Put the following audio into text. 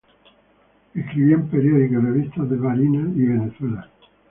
Escribió en periódicos y revistas de Barinas y Venezuela.